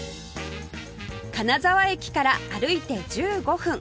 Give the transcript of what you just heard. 金沢駅から歩いて１５分